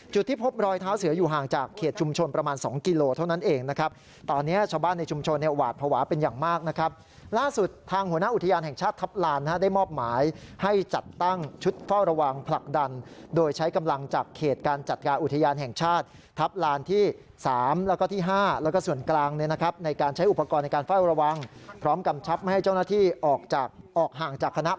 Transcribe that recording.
จุดที่พบรอยเท้าเสืออยู่ห่างจากเขตชุมชนประมาณ๒กิโลเท่านั้น